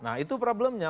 nah itu problemnya